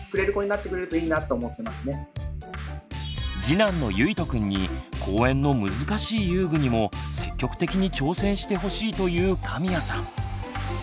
次男のゆいとくんに公園の難しい遊具にも積極的に挑戦してほしいという神谷さん。